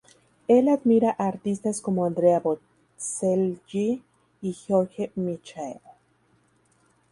Él admira a artistas como Andrea Bocelli y George Michael.